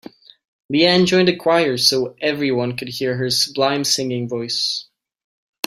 Leanne joined a choir so everyone could hear her sublime singing voice.